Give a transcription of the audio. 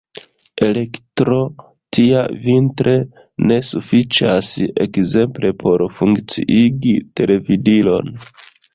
Elektro tia vintre ne sufiĉas ekzemple por funkciigi televidilon.